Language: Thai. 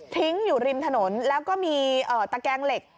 อยู่ริมถนนแล้วก็มีตะแกงเหล็ก